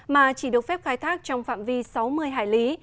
mà chỉ được phép khai thác trong phạm vi sáu mươi hải lý